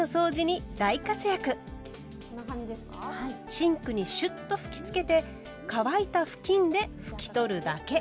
シンクにシュッと吹きつけて乾いた布巾で拭き取るだけ。